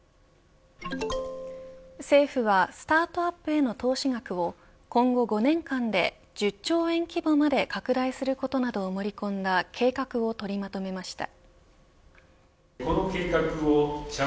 政府はスタートアップへの投資額を今後５年間で１０兆円規模まで拡大することなどを盛り込んだ計画を取りまとめました。